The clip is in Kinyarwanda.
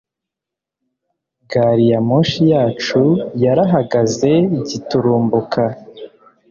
gariyamoshi yacu yarahagaze giturumbuka